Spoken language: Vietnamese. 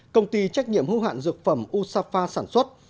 công ty trách nhiệm hưu hạn dược phẩm usafa sản xuất